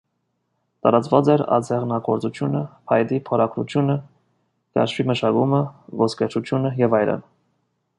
Տարածված էր ասեղնագործությունը, փայտի փորագրությունը, կաշվի մշակումը, ոսկերչությունը և այլն։